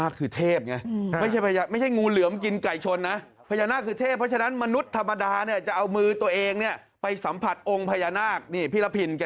คิดว่าเป็นพญานาคจริงเป็นไปได้ไหมคะ